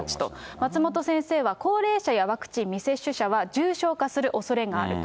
松本先生は、高齢者やワクチン未接種者は、重症化するおそれがあると。